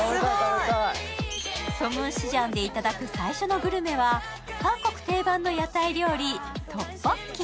ソムンシジャンでいただく最初のグルメは韓国定番の屋台料理トッポッキ。